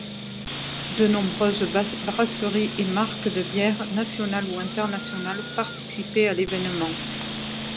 De nombreuses brasseries et marques de bières, nationales ou internationales participaient à l'événement.